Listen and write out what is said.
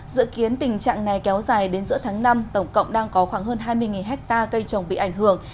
dự kiến tình trạng này kéo dài đến giữa tháng năm tổng cộng đang có khoảng hơn hai mươi hectare cây trồng bị ảnh hưởng